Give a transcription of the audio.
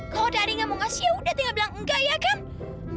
kalau dari nggak mau ngasih yaudah tinggal bilang enggak ya kan